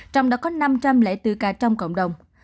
trong đó có năm trăm linh bốn ca trong cộng đồng